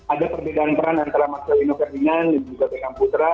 ada perbedaan peran antara marcelino ferdinand dan juga beckham putra